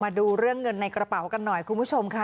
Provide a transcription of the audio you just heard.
มาดูเรื่องเงินในกระเป๋ากันหน่อยคุณผู้ชมค่ะ